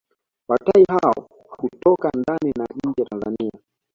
Wataii hao hutoka ndani na nje ya Tanzania